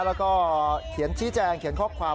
แล้วก็เขียนชี้แจงเขียนข้อความ